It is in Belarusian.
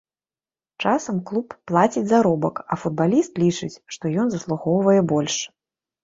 Часам клуб плаціць заробак, а футбаліст лічыць, што ён заслугоўвае больш.